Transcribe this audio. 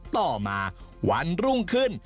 ต่อมาวันรุ่งขึ้น